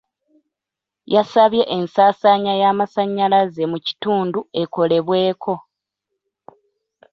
Yasabye ensaasaanya y'amasannyalaze mu kitundu ekolebweeko.